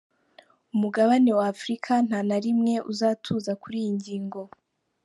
Umugabane wa Afurika nta na rimwe uzatuza kuri iyi ngingo.